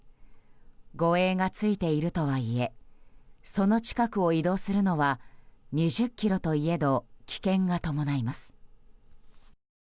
護衛がついているとはいえその近くを移動するのは２０ｋｍといえど危険が伴います。